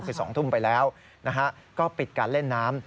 คือ๒ทุ่มไปแล้วก็ปิดการเล่นน้ำ